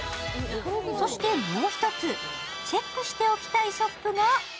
そしてもう一つ、チェックしておきたいショップが。